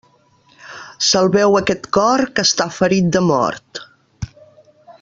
Salveu aquest cor, que està ferit de mort.